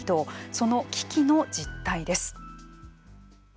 その危機の実態です。